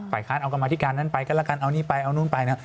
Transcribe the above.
ฝ่ายค้านเอากรรมาธิการนั้นไปกรรมาธิการนี้ไปเอานู้นไป